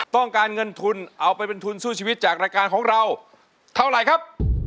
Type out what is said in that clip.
ต้องการเงินทุนเอาไปเป็นทุนสู้ชีวิตจากรายการของเราเท่าไหร่ครับ